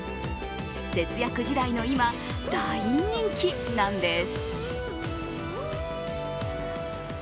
節約時代の今、大人気なんです。